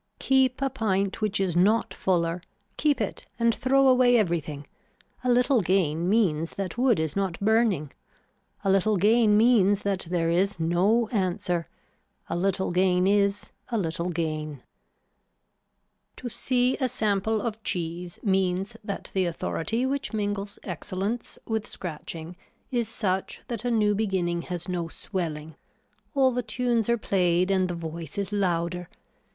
Keep a pint which is not fuller, keep it and throw away everything, a little gain means that wood is not burning, a little gain means that there is no answer, a little gain is a little gain. To see a sample of cheese means that the authority which mingles excellence with scratching is such that a new beginning has no swelling. All the tunes are played and the voice is louder.